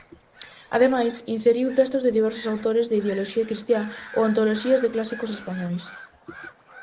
Ademais, inseriu textos de diversos autores de ideoloxía cristiá ou antoloxías de clásicos españois.